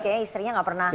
kayaknya istrinya gak pernah